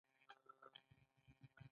دوی د اوسپنې او سرو زرو په استخراج بوخت وو.